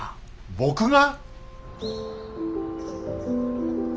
僕が！？